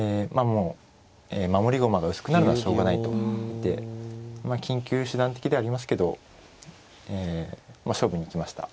もう守り駒が薄くなるのはしょうがないと見てまあ緊急手段的ではありますけどまあ勝負に行きました。